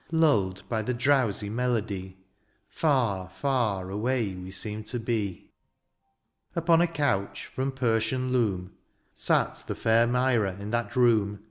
Lulled by the drowsy melody. Far, far, away we seem to be. THE AREOPAGITE. 47 Upon a couch, £rom Persian loom. Sate the fair Myra in that room.